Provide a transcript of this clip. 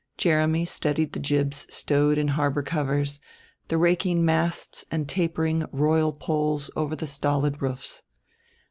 Jeremy studied the jibs stowed in harbor covers, the raking masts and tapering royal poles over the stolid roofs.